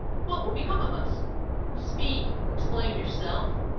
—what will become of us?" "Speak—explain yourself!"